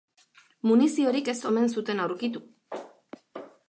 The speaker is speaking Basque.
Muniziorik ez omen zuten aurkitu.